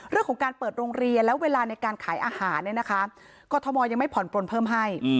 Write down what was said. เรื่องของการเปิดโรงเรียนและเวลาในการขายอาหารเนี่ยนะคะกรทมยังไม่ผ่อนปลนเพิ่มให้